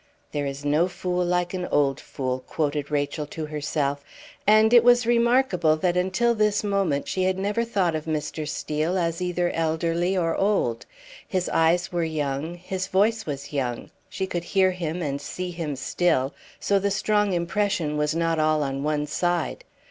"There is no fool like an old fool," quoted Rachel to herself; and it was remarkable that until this moment she had never thought of Mr. Steel as either elderly or old. His eyes were young; his voice was young; she could hear him and see him still, so the strong impression was not all on one side.